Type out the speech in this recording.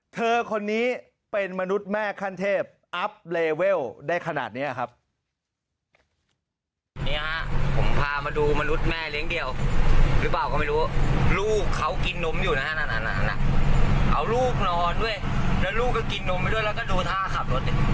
เธอคนนี้เป็นมนุษย์แม่ขั้นเทพอัพเลเวลได้ขนาดนี้ครับ